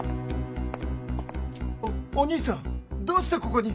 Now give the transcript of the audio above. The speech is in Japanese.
おお兄さんどうしてここに？